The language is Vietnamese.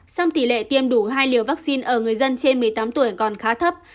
song tỷ lệ tiêm đủ hai liều vaccine ở người dân trên một mươi tám tuổi còn khá thấp